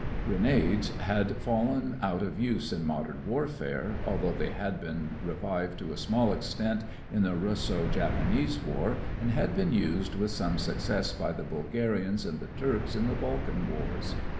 Grenades had fallen out of use in modern warfare, although they had been revived to a small extent in the Russo Japanese war, and had been used with some success by the Bulgarians and the Turks in the Balkan wars.